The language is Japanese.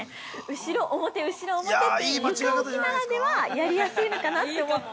後ろ、表、後ろ、表って床置きならではやりやすいのかなと思って。